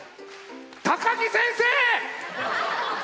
高木先生！